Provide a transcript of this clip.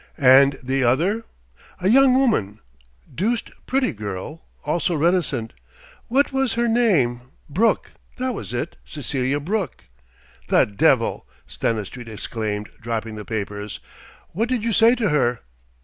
"And the other?" "A young woman deuced pretty girl also reticent. What was her name? Brooke that was it: Cecelia Brooke." "The devil!" Stanistreet exclaimed, dropping the papers. "What did you say to her?"